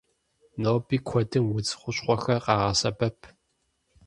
Ноби куэдым удз хущхъуэхэр къагъэсэбэп.